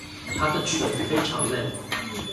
她的唇非常嫩